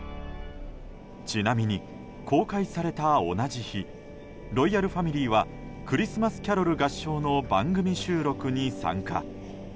ちなみに、公開された同じ日ロイヤルファミリーはクリスマスキャロル合唱の番組収録に参加。